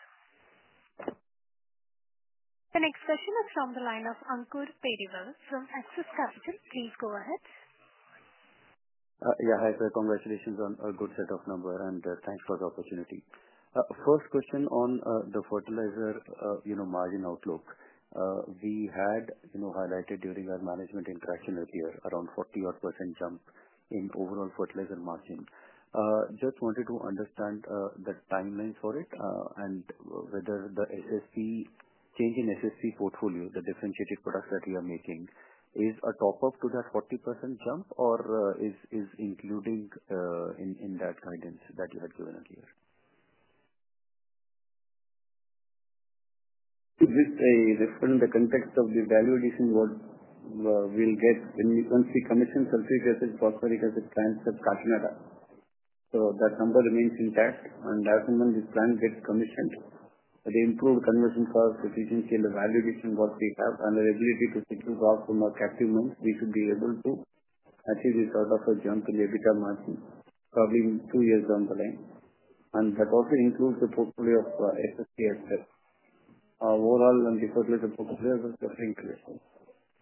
The next question is from the line of Ankur Periwal from Axis Capital. Please go ahead. Yeah. Hi, sir. Congratulations on a good set of numbers, and thanks for the opportunity. First question on the fertilizer margin outlook. We had highlighted during our management interaction earlier around 40-odd% jump in overall fertilizer margin. Just wanted to understand the timeline for it and whether the SSP change in SSP portfolio, the differentiated products that we are making, is a top-up to that 40% jump or is including in that guidance that you had given earlier? This is different in the context of the value addition what we'll get once we commission sulfuric acid, phosphoric acid plants at Kakinada. So that number remains intact. And as soon as this plant gets commissioned, the improved conversion cost, efficiency, and the value addition what we have, and the ability to secure rock from our captive mines, we should be able to achieve this sort of a jump in EBITDA margin probably in two years down the line. And that also includes the portfolio of SSP as well. Overall, on the fertilizer portfolio, it was suffering a little.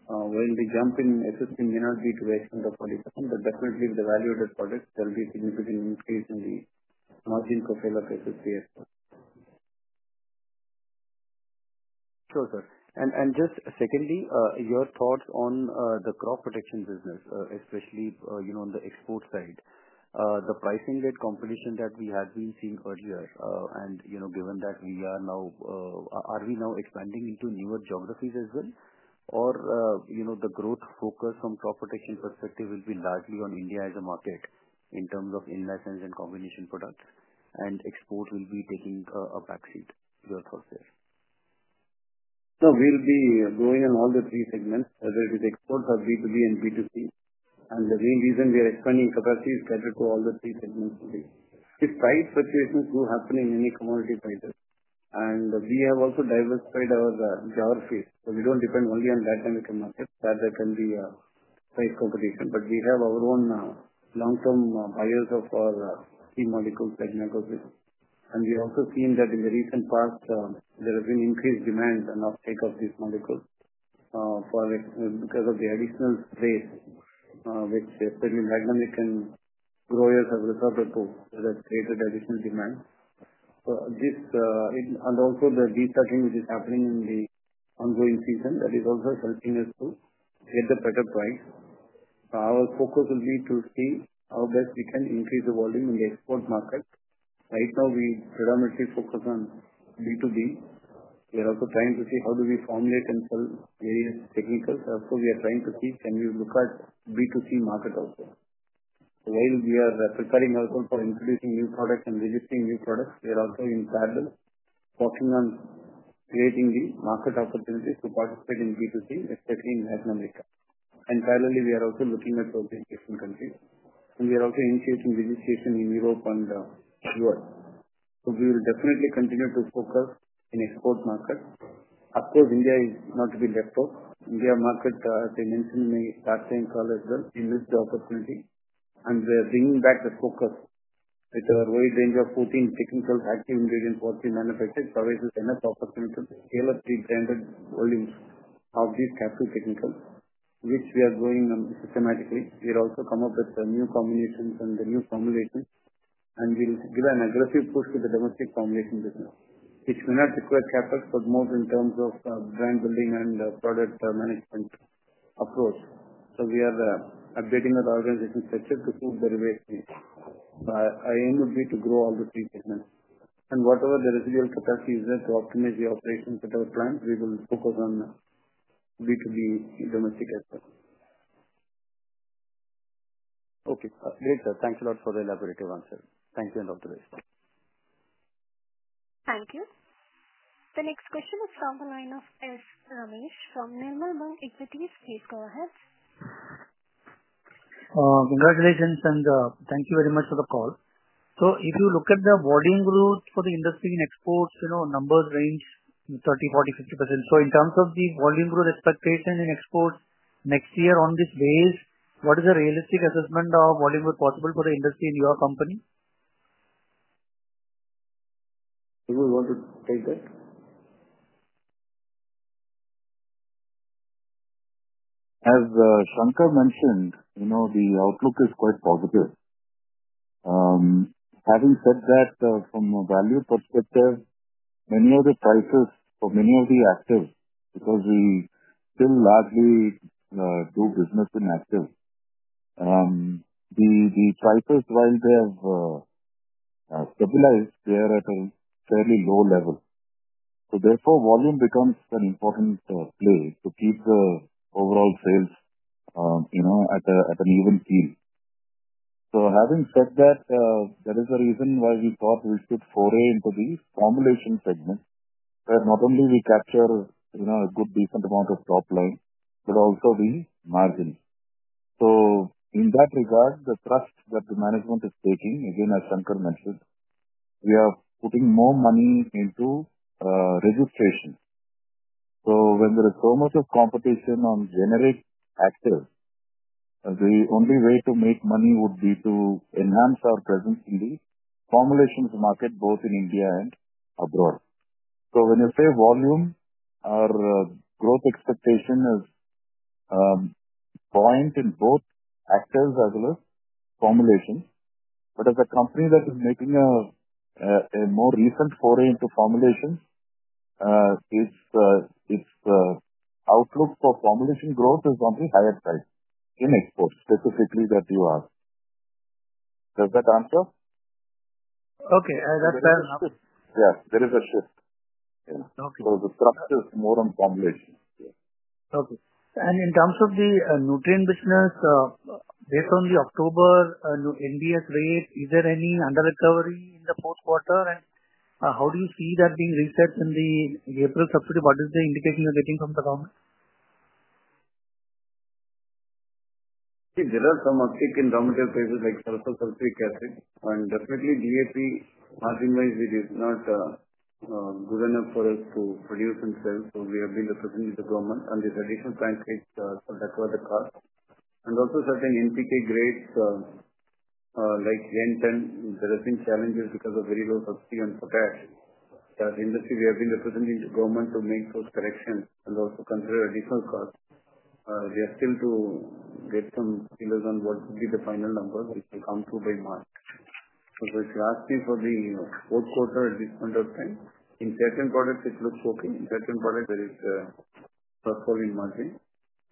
While the jump in SSP may not be to the extent of 40%, but definitely with the value-added products, there will be a significant increase in the margin profile of SSP as well. Sure, sir. And just secondly, your thoughts on the crop protection business, especially on the export side. The pricing-led competition that we had been seeing earlier, and given that we are now, are we now expanding into newer geographies as well, or the growth focus from crop protection perspective will be largely on India as a market in terms of in-license and combination products, and export will be taking a backseat? Your thoughts there. So we'll be growing in all the three segments, whether it is exports or B2B and B2C. And the main reason we are expanding capacity is catered to all the three segments today. If price fluctuations do happen in any commodity sector, and we have also diversified our geographies, so we don't depend only on Latin American markets. That can be a price competition. But we have our own long-term buyers of our key molecules that negotiate. And we've also seen that in the recent past, there has been increased demand and uptake of these molecules because of the additional space, which certainly Latin American growers have recovered to, that has created additional demand. And also the de-sucking which is happening in the ongoing season, that is also helping us to get the better price. Our focus will be to see how best we can increase the volume in the export market. Right now, we predominantly focus on B2B. We are also trying to see how do we formulate and sell various technicals. Also, we are trying to see can we look at B2C market also. While we are preparing also for introducing new products and releasing new products, we are also in parallel working on creating the market opportunities to participate in B2C, especially in Latin America, and parallelly, we are also looking at those different countries, and we are also initiating negotiations in Europe and the U.S., so we will definitely continue to focus in export markets. Of course, India is not to be left out. India market, as I mentioned in my last time call as well, we missed the opportunity, and we are bringing back the focus with our wide range of 14 technicals, active ingredients, what we manufacture, provides us enough opportunity to scale up the branded volumes of these captive technicals, which we are growing systematically. We have also come up with new combinations and the new formulations, and we'll give an aggressive push to the domestic formulation business, which may not require capsules, but more in terms of brand building and product management approach. So we are updating our organization structure to suit the diverse needs. Our aim would be to grow all the three segments. And whatever the residual capacity is there to optimize the operations at our plant, we will focus on B2B domestic as well. Okay. Great, sir. Thank you a lot for the elaborate answer. Thank you and all the best. Thank you. The next question is from the line of S. Ramesh from Nirmal Bang Equities. Please go ahead. Congratulations and thank you very much for the call. So if you look at the volume growth for the industry in exports, numbers range 30%, 40%, 50%. In terms of the volume growth expectation in exports next year on this base, what is a realistic assessment of volume growth possible for the industry in your company? You will want to take that? As Sankar mentioned, the outlook is quite positive. Having said that, from a value perspective, many of the prices for many of the actives, because we still largely do business in actives, the prices, while they have stabilized, they are at a fairly low level. So therefore, volume becomes an important play to keep the overall sales at an even keel. So having said that, that is the reason why we thought we should foray into the formulation segment, where not only we capture a good decent amount of top line, but also the margin. So in that regard, the thrust that the management is taking, again, as Sankar mentioned, we are putting more money into registration. So when there is so much of competition on generic actives, the only way to make money would be to enhance our presence in the formulations market, both in India and abroad. So when you say volume, our growth expectation is buoyant in both actives as well as formulations. But as a company that is making a more recent foray into formulations, its outlook for formulation growth is on the higher side in exports, specifically that you asked. Does that answer? Okay. That's fair enough. There is a shift. So the thrust is more on formulation. Okay. And in terms of the nutrient business, based on the October NBS rate, is there any under-recovery in the fourth quarter? How do you see that being reset in the April subsidy? What is the indication you're getting from the government? There are some uptick in raw material prices like sulfuric acid. And definitely, DAP margin-wise, it is not good enough for us to produce and sell. So we have been representing to the government. And these additional plant rates will cover the cost. And also certain NPK grades like 10:26, there have been challenges because of very low subsidy on potash. That industry, we have been representing to the government to make those corrections and also consider additional costs. We are still to get some figures on what would be the final number, which will come through by March. So if you ask me for the fourth quarter at this point of time, in certain products, it looks okay. In certain products, there is a plus four in margin.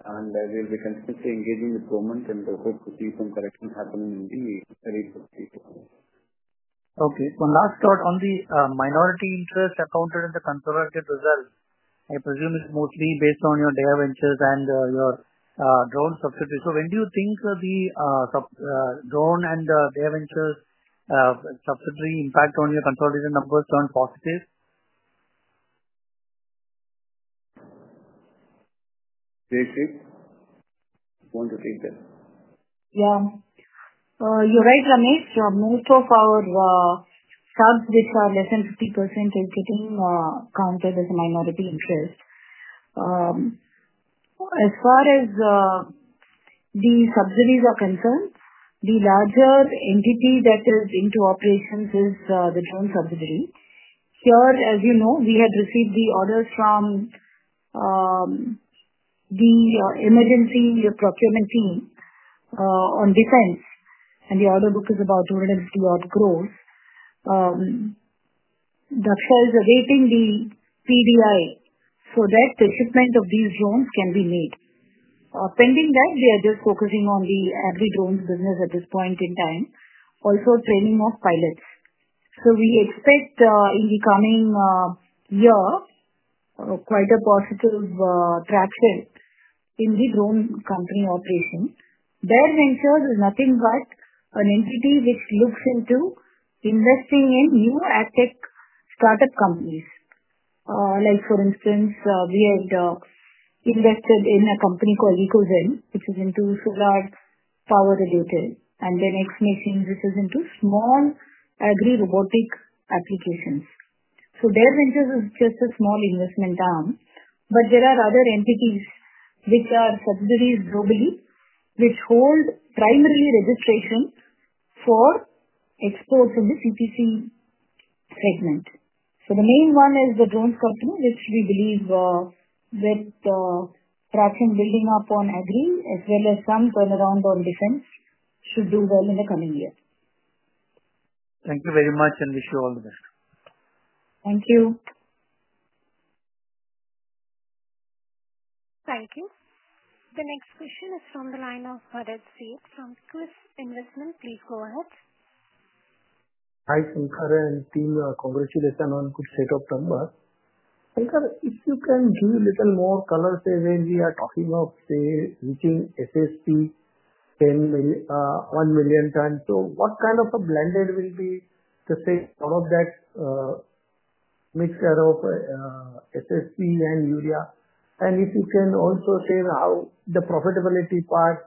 And we'll be continuously engaging with government and hope to see some corrections happening in the early subsidy quarter. Okay. One last thought on the minority interest accounted in the consolidated result. I presume it's mostly based on your Dare Ventures and your drone subsidiaries. So when do you think the drone and Dare Ventures subsidiary impact on your consolidated numbers turn positive? Jayashree, you want to take that? Yeah. You're right, Ramesh. Most of our subs, which are less than 50%, are getting counted as a minority interest. As far as the subsidiaries are concerned, the larger entity that is into operations is the drone subsidiary. Here, as you know, we had received the orders from the emergency procurement team on defense, and the order book is about 250-odd crores. That shells are rating the PDI so that the shipment of these drones can be made. Pending that, we are just focusing on the agri drones business at this point in time, also training of pilots. So we expect in the coming year quite a positive traction in the drone company operation. Bear Ventures is nothing but an entity which looks into investing in new ag-tech startup companies. For instance, we had invested in a company called Ecozen, which is into solar power-related, and then X-Machines, which is into small agri-robotic applications. So Bear Ventures is just a small investment arm, but there are other entities which are subsidiaries globally, which hold primarily registration for exports in the CPC segment. So the main one is the drones company, which we believe with traction building up on agri, as well as some turnaround on defense, should do well in the coming year. Thank you very much and wish you all the best. Thank you. Thank you. The next question is from the line of Rohit G. from Quest Investment. Please go ahead. Hi, Sankar, and team, congratulations on good set of numbers. Sankar, if you can give a little more color say when we are talking of, say, reaching SSP 1 million ton, so what kind of a blend will be to say one of that mixture of SSP and urea? And if you can also say how the profitability part,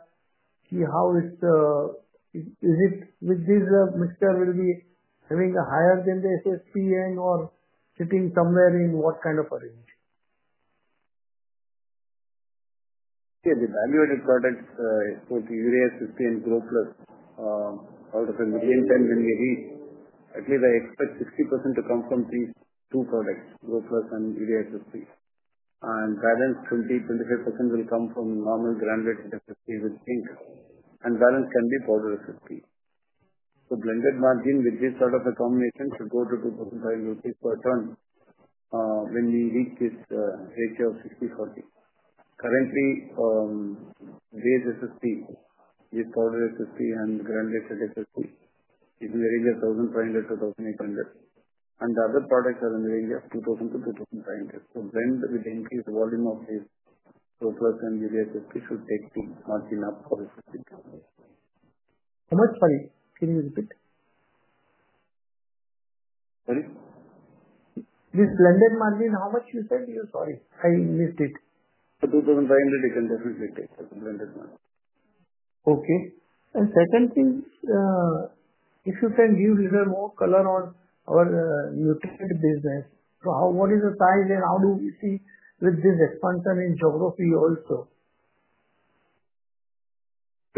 how is it with this mixture will be having a higher than the SSP or sitting somewhere in what kind of a range? Yeah, the value-added products with urea SSP and GroPlus, out of 1 million ton, when we reach, at least I expect 60% to come from these two products, GroPlus and urea SSP. And balance 20-25% will come from normal branded SSP with zinc, and balance can be powder SSP. So blended margin with this sort of a combination should go to 2,500 rupees per ton when we reach this ratio of 60-40. Currently, base SSP, this powder SSP and branded SSP is in the range of INR 1,500-INR 1,800. And the other products are in the range of INR 2,000-INR 2,500. So blend with the increased volume of this GroPlus and Urea SSP should take the margin up for SSP companies. How much? Sorry, can you repeat? Sorry? This blended margin, how much you said? Sorry, I missed it. For 2,500, it can definitely take the blended margin. Okay. And second thing, if you can give a little more color on our nutrient business, what is the size and how do we see with this expansion in geography also?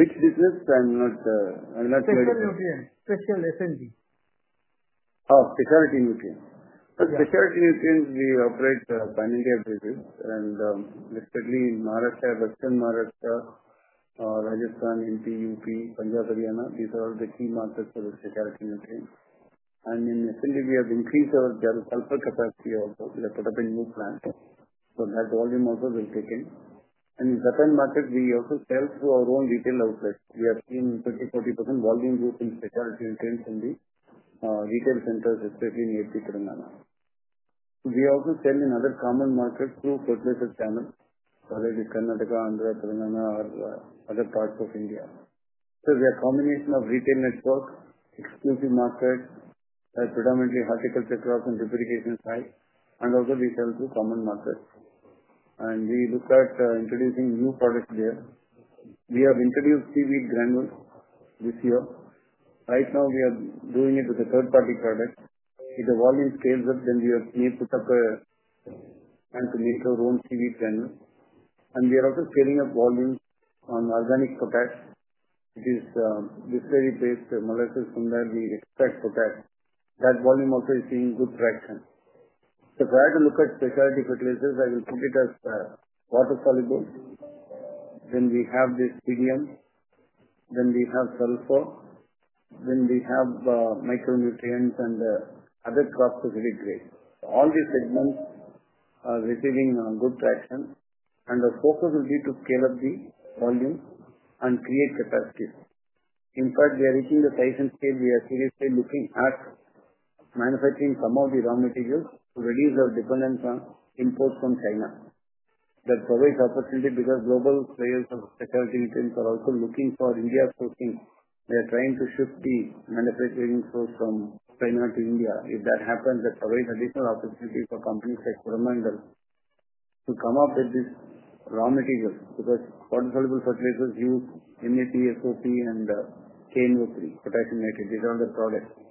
Which business? I'm not sure. Special nutrients, special SNG. Oh, specialty nutrients. Specialty nutrients, we operate pan-India business, and especially in Maharashtra, Western Maharashtra, Rajasthan, Uttar Pradesh, Punjab, Haryana, these are all the key markets for the specialty nutrients, and in SNG, we have increased our capacity also. We have put up a new plant, so that volume also will kick in, and in the Indian market, we also sell through our own retail outlets. We have seen 30%-40% volume growth in specialty nutrients in the retail centers, especially in AP, Telangana. We also sell in other common markets through public channels, whether it is Karnataka, Andhra, Telangana, or other parts of India, so we have a combination of retail network, exclusive markets, predominantly horticulture crops and distribution side, and also we sell through common markets, and we looked at introducing new products there. We have introduced seaweed granules this year. Right now, we are doing it with a third-party product. If the volume scales up, then we may put up a plan to make our own seaweed granules. And we are also scaling up volume on organic potash, which is glycerin-based molecules from where we extract potash. That volume also is seeing good traction. So if I had to look at specialty fertilizers, I will put it as water-soluble. Then we have this PDM, then we have sulfur, then we have micronutrients and other crop-specific grades. All these segments are receiving good traction, and the focus will be to scale up the volume and create capacity. In fact, we are reaching the size and scale. We are seriously looking at manufacturing some of the raw materials to reduce our dependence on imports from China. That provides opportunity because global players of specialty nutrients are also looking for India sourcing. They are trying to shift the manufacturing source from China to India. If that happens, that provides additional opportunity for companies like Coromandel to come up with these raw materials because water-soluble fertilizers used in NPK SOP and KNO3, potassium nitrate, these are the products.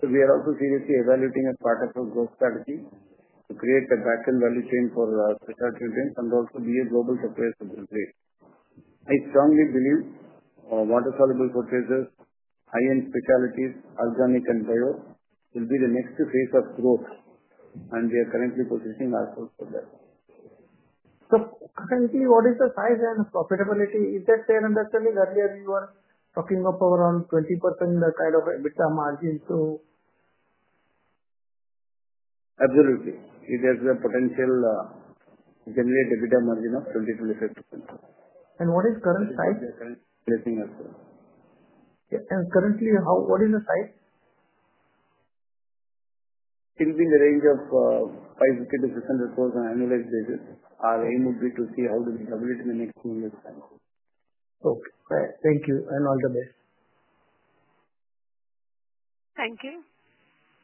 So we are also seriously evaluating a part of our growth strategy to create a back-end value chain for specialty nutrients and also be a global supplier for those grades. I strongly believe water-soluble fertilizers, high-end specialties, organic and bio will be the next phase of growth, and we are currently positioning ourselves for that. So currently, what is the size and profitability? Is that fair understanding? Earlier, you were talking of around 20% kind of EBITDA margin, so. Absolutely. It has a potential to generate EBITDA margin of 20%-25%. And what is current size? Currently. And currently, what is the size? It will be in the range of 500-600,000 annualized basis. Our aim would be to see how do we double it in the next few years. Okay. Thank you. And all the best. Thank you.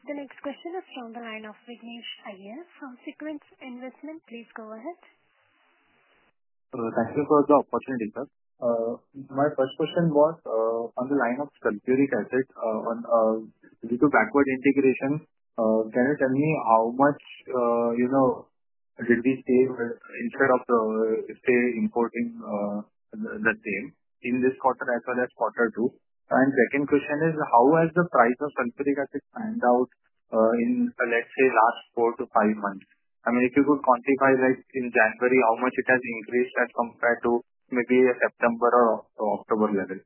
The next question is from the line of Vignesh Iyer from Sequent Investments. Please go ahead. Thank you for the opportunity, sir. My first question was on the line of sulfuric acid due to backward integration. Can you tell me how much did we save instead of, say, importing the same in this quarter as well as quarter two? And second question is, how has the price of sulfuric acid panned out in, let's say, last four to five months? I mean, if you could quantify in January, how much it has increased as compared to maybe September or October level?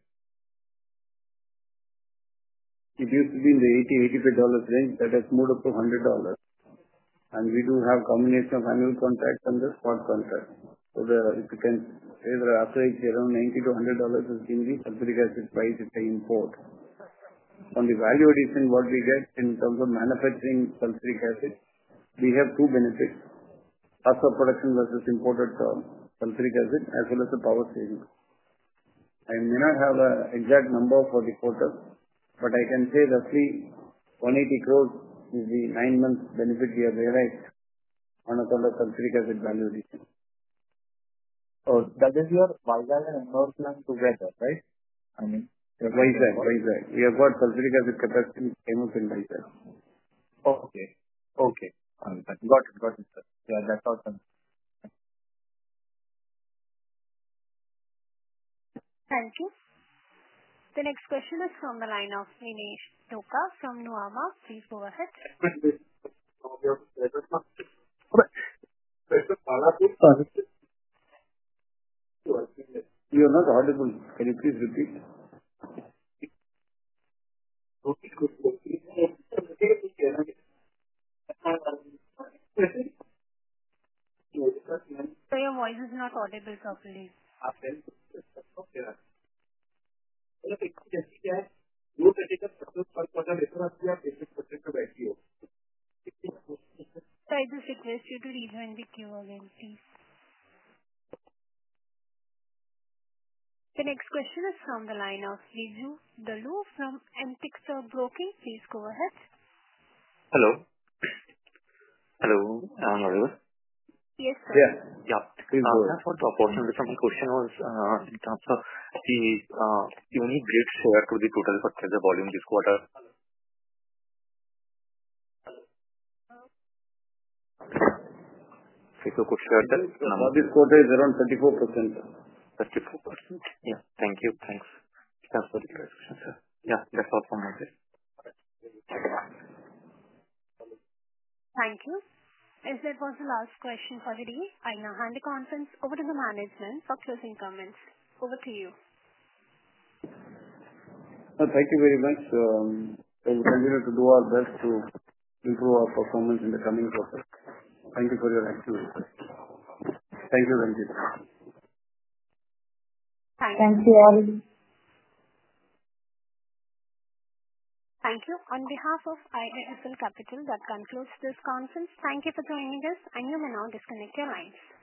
It used to be in the $80-$85 range. That has moved up to $100, and we do have a combination of annual contract and the spot contract, so if you can say that average around $90-$100 has been the sulfuric acid price at the import. On the value addition, what we get in terms of manufacturing sulfuric acid, we have two benefits: cost of production versus imported sulfuric acid, as well as the power savings. I may not have an exact number for the quarter, but I can say roughly 180 crores is the nine-month benefit we have realized on a total sulfuric acid value addition. Oh, that is your Vizag and Northland together, right? I mean, Vizag. Vizag. We have got sulfuric acid capacity same as in Vizag. Okay. Okay. Got it. Got it, sir. Yeah, that's awesome. Thank you. The next question is from the line of Vishesh Dhoka from Nuvama. Please go ahead. So your voice is not audible properly. So I just request you to rejoin the queue again, please. The next question is from the line of Vidhi Shah from Antique Stock Broking. Please go ahead. Hello. Hello. Am I audible? Yes, sir. Yeah. Yeah. Please go ahead. I just want to ask some questions in terms of the unique grade share to the total for the volume this quarter. If you could share that. This quarter is around 34%. 34%. Yeah. Thank you. Thanks. That's all for the questions, sir. Yeah. That's all from my side. Thank you. And that was the last question for today. I now hand the conference over to the management for closing comments. Over to you. Thank you very much. We will continue to do our best to improve our performance in the coming quarter. Thank you for your attention. Thank you. Thank you. Thank you. Thank you. On behalf of IIFL Capital, that concludes this conference. Thank you for joining us, and you may now disconnect your lines.